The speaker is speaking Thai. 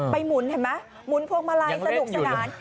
หมุนเห็นไหมหมุนพวงมาลัยสนุกสนาน